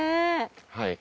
はい。